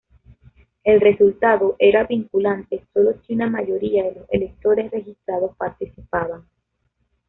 El resultado era vinculante solo si una mayoría de los electores registrados participaban.